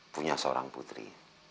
punya seorang putri